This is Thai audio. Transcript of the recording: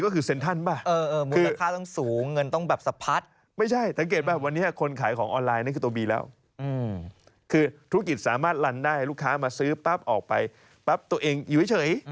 คือธุรกิจสามารถรันได้ลูกค้ามาซื้อปั๊บออกไปปั๊บตัวเองอยู่เฉย